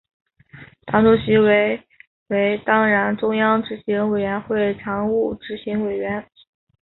党主席为为当然中央执行委员及常务执行委员。